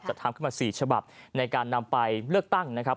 ทำขึ้นมา๔ฉบับในการนำไปเลือกตั้งนะครับ